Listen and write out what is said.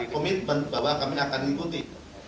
kami akan mengikuti